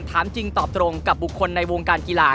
ถามจริงตอบตรงกับบุคคลในวงการกีฬา